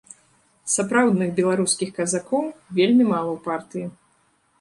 Сапраўдных беларускіх казакоў вельмі мала ў партыі.